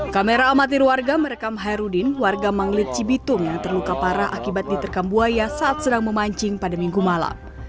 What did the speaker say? kamera amatir warga merekam hairudin warga manglit cibitung yang terluka parah akibat diterkam buaya saat sedang memancing pada minggu malam